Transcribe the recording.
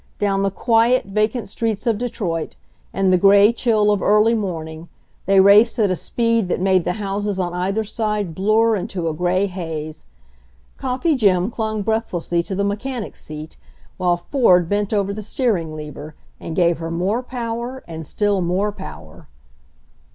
Down the quiet, vacmt 106 HENRY FORD'S OWN STORY streets of Detroit, in the gray chill of early morn ing, they raced at a speed that made the houses on either side blur into a gray haze. Coffee Jim clung breathlessly to the mechanic's seat, while Ford bent over the steering lever and gave her more power, and still more power.